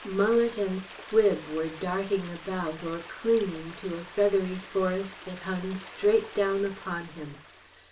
Mullet and squib were darting about or clinging to a feathery forest that hung straight down upon him.